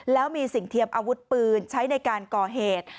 แล้วมีสิ่งเทียมอาวุธปืนใช้ในการก่อเหตุ